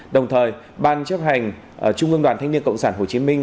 đồng thời ban chấp hành trung ương đoàn thanh niên cộng sản hồ chí minh